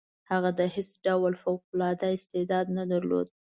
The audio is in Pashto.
هغه د هیڅ ډول فوق العاده استعداد نه درلود.